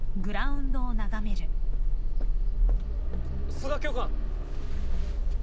須賀教官！